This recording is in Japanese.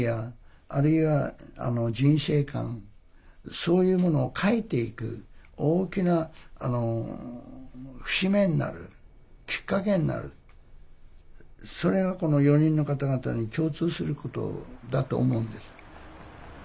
そういうものを変えていく大きな節目になるきっかけになるそれがこの４人の方々に共通することだと思うんです。